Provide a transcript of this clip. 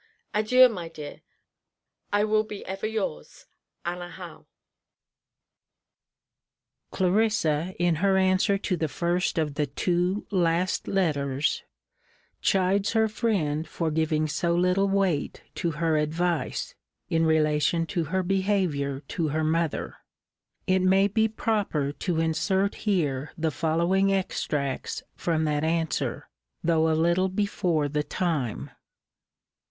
Adieu, my dear. I will be ever yours. ANNA HOWE. [Clarissa, in her answer to the first of the two last letters, chides her friend for giving so little weight to her advice, in relation to her behaviour to her mother. It may be proper to insert here the following extracts from that answer, though a little before the time.